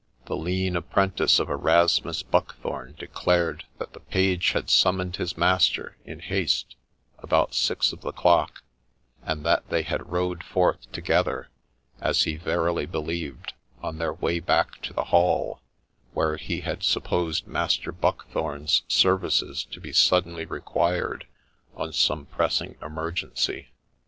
The lean apprentice of Erasmus Buckthorne declared that the page had summoned his master, in haste, about six of the clock, and that they had rode forth together, as he verily believed, on their way back to the Hall, where he had supposed Master Buckthorne's services to be suddenly required on some pressing emergency.